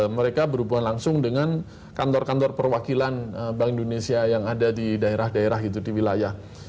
mereka berhubungan langsung dengan kantor kantor perwakilan bank indonesia yang ada di daerah daerah gitu di wilayah